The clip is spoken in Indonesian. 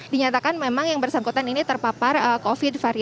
dinyatakan memang yang bersangkutan ini terpapar covid varian